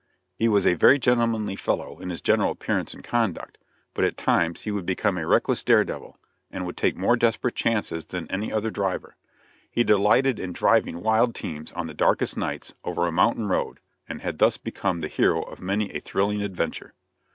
He was a very gentlemanly fellow in his general appearance and conduct, but at times he would become a reckless dare devil, and would take more desperate chances than any other driver. He delighted in driving wild teams on the darkest nights, over a mountain road, and had thus become the hero of many a thrilling adventure.